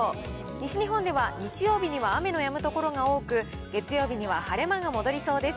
西日本では日曜日には雨のやむ所が多く、月曜日には晴れ間が戻りそうです。